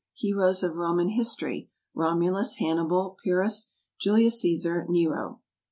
Heroes of Roman History. ROMULUS. HANNIBAL. PYRRHUS. JULIUS CÆSAR. NERO.